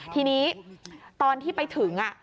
ทีนี้ตอนที่ไปถึง